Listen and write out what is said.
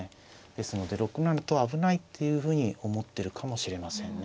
ですので６七と危ないっていうふうに思ってるかもしれませんね。